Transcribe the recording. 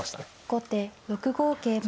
後手６五桂馬。